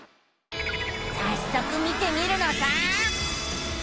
さっそく見てみるのさあ。